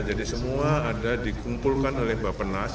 jadi semua ada dikumpulkan oleh mbak penas